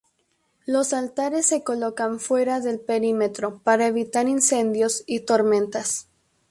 Los altares se colocan fuera del perímetro para evitar incendios y tormentas.